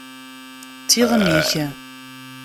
D tiɣmi-k!